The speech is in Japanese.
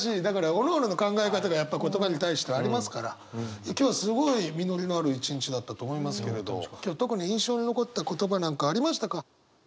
だからおのおのの考え方がやっぱり言葉に対してはありますから今日すごい実りのある一日だったと思いますけれど今日特に印象に残った言葉なんかありましたか？